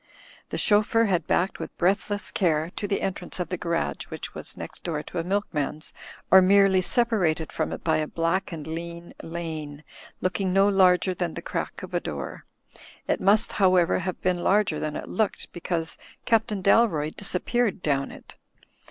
The chauffeur had backed with breathless care to the entrance of the garage, which was next door to a milkman's or merely separated from it by a black and lean lane, looking no larger than the crack of a door. It must, however, have been larger than it looked, be cause Captain Dalroy disappeared down it.